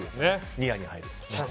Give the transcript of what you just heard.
ニアに入る。